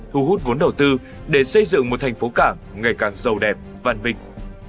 thu hút vốn đầu tư để xây dựng một thành phố cả ngày càng sâu đẹp văn minh